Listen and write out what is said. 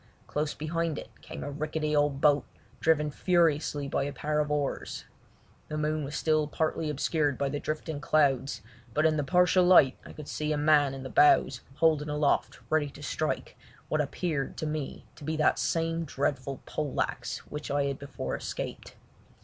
Close behind it came a rickety old boat, driven furiously by a pair of oars. The moon was still partly obscured by the drifting clouds, but in the partial light I could see a man in the bows holding aloft ready to strike what appeared to me to be that same dreadful pole axe which I had before escaped.